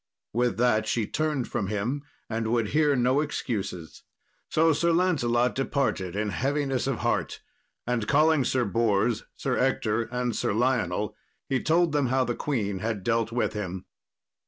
With that she turned from him and would hear no excuses. So Sir Lancelot departed in heaviness of heart, and calling Sir Bors, Sir Ector, and Sir Lionel, he told them how the queen had dealt with him.